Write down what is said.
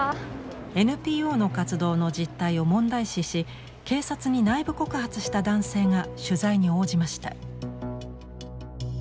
ＮＰＯの活動の実態を問題視し警察に内部告発した男性が取材に応じました。